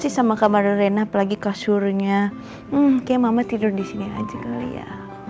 sih sama kamar rena apalagi kasurnya kayaknya mama tidur di sini aja kali ya